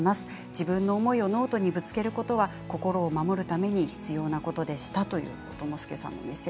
自分の思いをノートにぶつけることは心を守るために必要なことでしたということです。